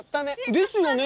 ですよね？